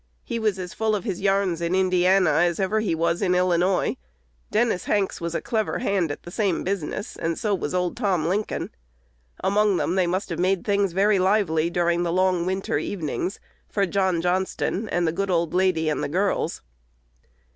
"He was as full of his yarns in Indiana as ever he was in Illinois." Dennis Hanks was a clever hand at the same business, and so was old Tom Lincoln. Among them they must have made things very lively, during the long winter evenings, for John Johnston and the good old lady and the girls.